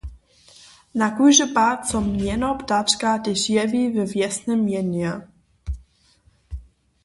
Na kóždy pad so mjeno ptačka tež jewi we wjesnym mjenje.